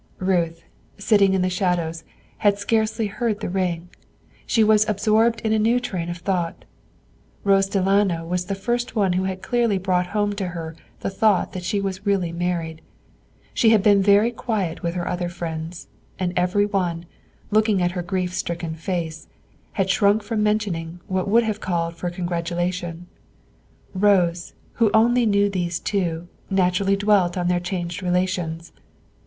Ruth, sitting in the shadows, had scarcely heard the ring. She was absorbed in a new train of thought. Rose Delano was the first one who had clearly brought home to her the thought that she was really married. She had been very quiet with her other friends, and every one, looking at her grief stricken face, had shrunk from mentioning what would have called for congratulation. Rose, who knew only these two, naturally dwelt on their changed relations.